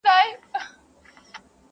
که هرڅو صاحب د علم او کمال یې.